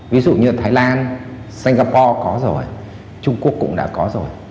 ví dụ như thái lan singapore có rồi trung quốc cũng đã có rồi